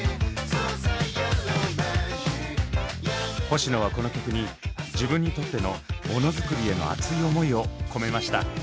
星野はこの曲に自分にとっての「ものづくり」への熱い思いを込めました。